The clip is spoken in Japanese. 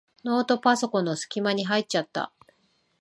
ノートパソコンのすき間に入っちゃった。